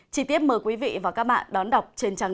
chí tiết mời quý vị và các bạn đón đọc trên trang tám